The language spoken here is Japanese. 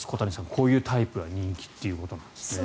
こういうタイプが人気ということなんですね。